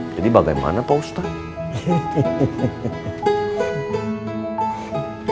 jadi bagaimana pak ustadz